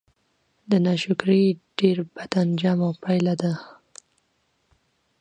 د ناشکرۍ ډير بد آنجام او پايله ده